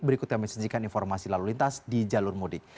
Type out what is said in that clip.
berikut kami sajikan informasi lalu lintas di jalur mudik